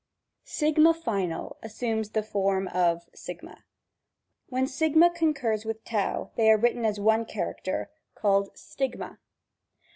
6 final assumes the form of g. When Sigma con curs with T they are written as one character, g^ called Stigma.